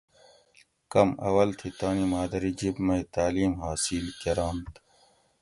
کم اول تھی تانی مادری جِب مئی تعلیم حاصل کۤرنت